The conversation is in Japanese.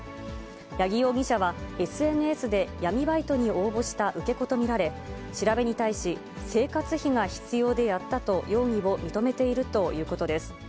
八木容疑者は、ＳＮＳで闇バイトに応募した受け子と見られ、調べに対し、生活費が必要でやったと容疑を認めているということです。